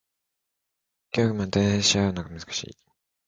業務を代替し合うのが難しい